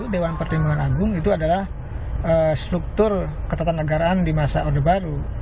dewan pertimbangan agung itu adalah struktur ketatanegaraan di masa orde baru